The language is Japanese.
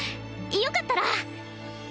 よかったら